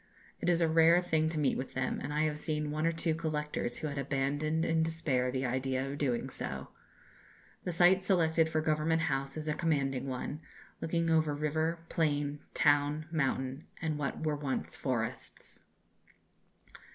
It is a rare thing to meet with them, and I have seen one or two collectors who had abandoned in despair the idea of doing so. The site selected for Government House is a commanding one, looking over river, plain, town, mountain, and what were once forests....